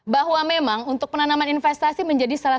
bahwa memang untuk penanaman investasi menjadi salah